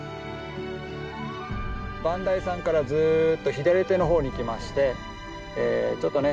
磐梯山からずっと左手の方にいきましてちょっとね